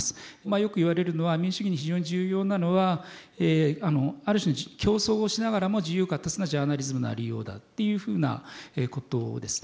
よく言われるのは民主主義に非常に重要なのはある種の競争をしながらも自由闊達なジャーナリズムのありようだっていうふうなことです。